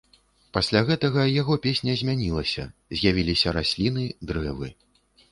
Пасля гэтага яго песня змянілася, з'явіліся расліны, дрэвы.